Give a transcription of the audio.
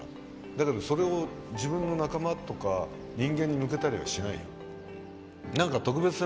だけどそれを自分の仲間とか人間に向けたりはしないよ。